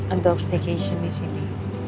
untuk staycation di sini